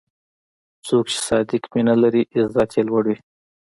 څوک چې صادق مینه لري، عزت یې لوړ وي.